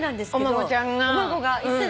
お孫ちゃんが。